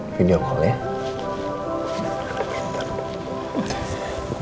aku juga gak paham